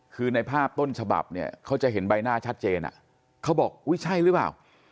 คือในภาพต้นฉบับเนี่ยเขาจะเห็นใบหน้าชัดเจนเขาบอกอุ้ยใช่หรือเปล่า